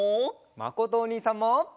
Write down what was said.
まことおにいさんも！